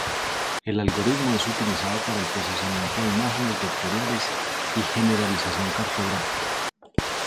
El algoritmo es utilizado para el procesamiento de imágenes vectoriales y generalización cartográfica.